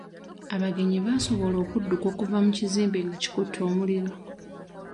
Abagenyi baasobola okudduka okuva mu kizimbe nga kikutte omuliro.